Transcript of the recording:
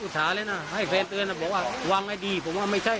ใช่ใช่ใช่